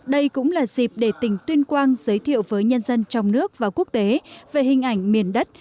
đây cũng là dịp để tỉnh tuyên quang giới thiệu với nhân dân trong nước và quốc tế về hình ảnh miền đất